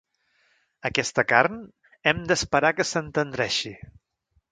Aquesta carn, hem d'esperar que s'entendreixi.